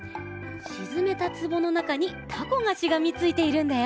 しずめたつぼのなかにタコがしがみついているんだよ。